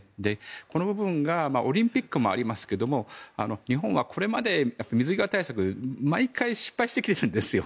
この部分がオリンピックもありますけども日本は、これまで水際対策を毎回失敗してきているんです。